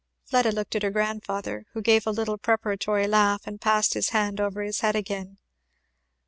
Fleda looked at her grandfather, who gave a little preparatory laugh and passed his hand over his head again.